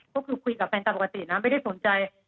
ก็คือคุยกับแฟนตามปกตินะไม่ได้สนใจ